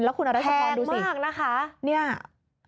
แล้วคุณเอารัสสะพองดูสิแพงมากนะคะนี่คุณเอารัสสะพองดูสิ